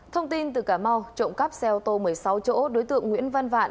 thông tin từ cà mau trộm cắp xe ô tô một mươi sáu chỗ đối tượng nguyễn văn vạn